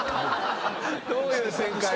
どういう展開⁉